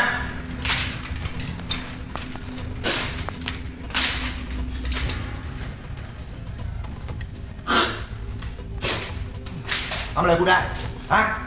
ทำอะไรพูดได้ฮะ